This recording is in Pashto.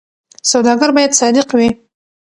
سوداګر باید صادق وي.